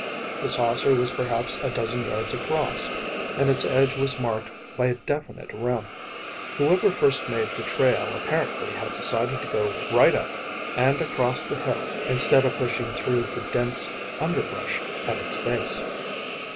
The saucer was perhaps a dozen yards across, and its edge was marked by a definite rim. Whoever first made the trail apparently had decided to go right up and across the hill instead of pushing through the dense underbrush at its base.